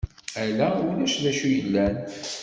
Ala ulac d acu yellan.